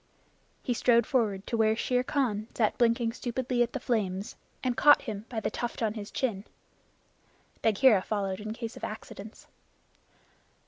He strode forward to where Shere Khan sat blinking stupidly at the flames, and caught him by the tuft on his chin. Bagheera followed in case of accidents.